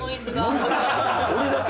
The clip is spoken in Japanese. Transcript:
俺だけ？